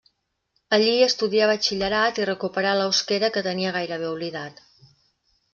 Allí estudia batxillerat i recupera l'euskera que tenia gairebé oblidat.